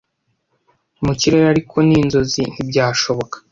mu kirere ariko ni inzozi ntibyashoboka